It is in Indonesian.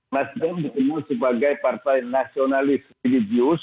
nasdem ketemu sebagai partai nasionalis religius